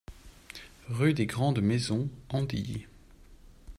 Rue des Gds Maisons, Andilly